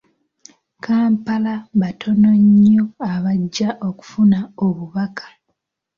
Kampala batono nnyo abajja okufuna obubaka.